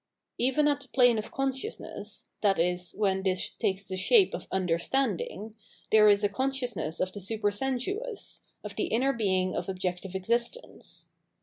Even at the plane of Consciousness, viz. when this takes the shape of '' Understanding,'" there is a con sciousness of the supersensuous, of the inner being of objective existence.